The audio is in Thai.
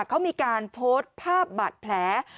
เขามีการโพสต์ภาพบาดแผล